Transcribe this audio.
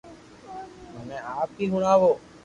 مني آپ ھي ھڻاو